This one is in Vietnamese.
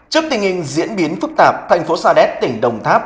trước tình hình diễn biến phức tạp thành phố sa đéc tỉnh đồng tháp